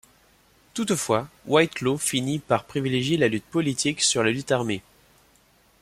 Toutefois, Whitelaw finit par privilégier la lutte politique sur la lutte armée.